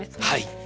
はい。